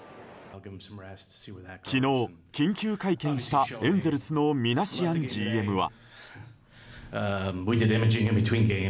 昨日、緊急会見したエンゼルスのミナシアンＧＭは。